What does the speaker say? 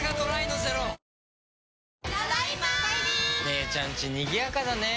姉ちゃんちにぎやかだね。